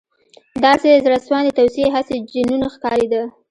• داسې زړهسواندې توصیې، هسې جنون ښکارېده.